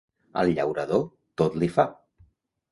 Al llaurador, tot li fa.